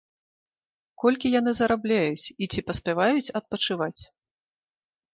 Колькі яны зарабляюць і ці паспяваюць адпачываць?